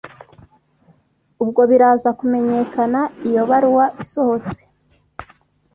ubwo biraza kumenyekana iyo baruwa isohotse